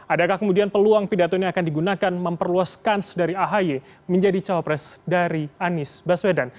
adakah kemudian peluang pidato ini akan digunakan memperluas kans dari ahi menjadi cawapres dari anies baswedan